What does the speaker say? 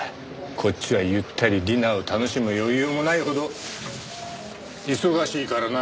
こっちはゆったりディナーを楽しむ余裕もないほど忙しいからな。